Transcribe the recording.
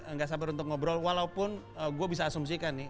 nggak sabar untuk ngobrol walaupun gue bisa asumsikan nih